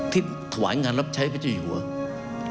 ถวายงานรับใช้พระเจ้าอยู่หัว